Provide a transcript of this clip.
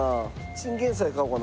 チンゲンサイ買おうかな？